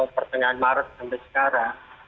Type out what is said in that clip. pertengahan maret sampai sekarang